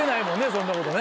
そんなことね。